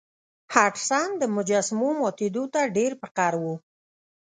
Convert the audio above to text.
هډسن د مجسمو ماتیدو ته ډیر په قهر و.